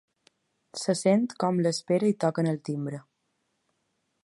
Se sent com l’espera i toquen el timbre.